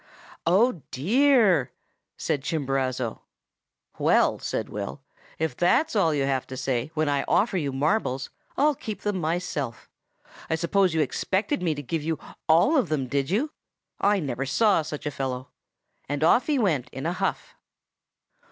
"'Oh, dear!' said Chimborazo. "'Well,' said Will, 'if that's all you have to say when I offer you marbles, I'll keep them myself. I suppose you expected me to give you all of them, did you? I never saw such a fellow!' and off he went in a huff.